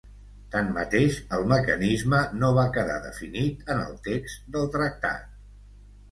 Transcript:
Tanmateix, el mecanisme no va quedar definit en el text del tractat.